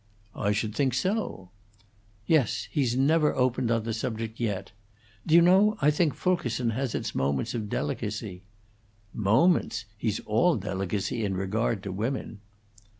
"I should think so." "Yes. He's never opened on the subject yet. Do you know, I think Fulkerson has his moments of delicacy." "Moments! He's all delicacy in regard to women."